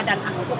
dan hukum akhirat